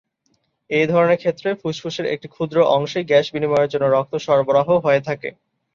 এধরনের ক্ষেত্রে ফুসফুসের একটি ক্ষুদ্র অংশেই গ্যাস বিনিময়ের জন্য রক্ত সরবরাহ হয়ে থাকে।